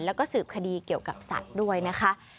แล้วก็สืบคดีเกี่ยวกับสัตว์ด้วยนะคะ